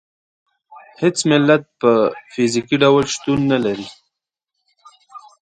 هېڅ ملت په فزیکي ډول شتون نه لري.